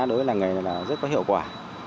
đối với làng này là rất có hiệu quả